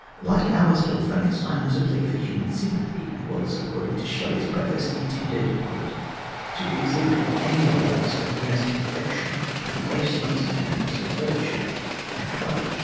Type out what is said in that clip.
Like Alastor, Frankenstein was a plea for human sympathy, and was, according to Shelley's preface, intended "to exhibit the amiableness of domestic affection and the excellence of universal virtue."